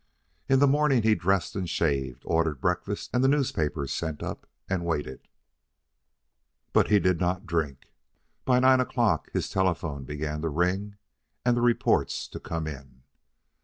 In the morning he dressed and shaved, ordered breakfast and the newspapers sent up, and waited. But he did not drink. By nine o'clock his telephone began to ring and the reports to come in.